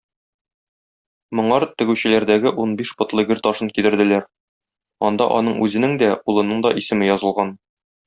Моңар тегүчеләрдәге унбиш потлы гер ташын китерделәр, анда аның үзенең дә, улының да исеме язылган.